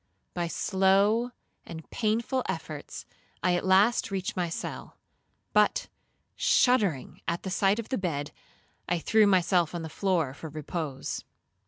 By slow and painful efforts, I at last reached my cell; but, shuddering at the sight of the bed, I threw myself on the floor for repose.